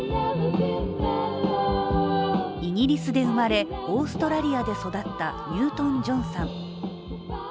イギリスで生まれ、オーストラリアで育ったニュートン＝ジョンさん。